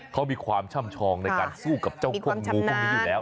เขามีความช่ำชองในการสู้กับเจ้าพวกงูพวกนี้อยู่แล้ว